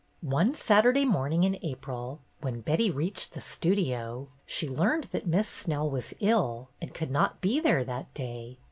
One Saturday morning in April, when Betty reached the Studio, she learned that Miss Snell was ill and could not be there that day.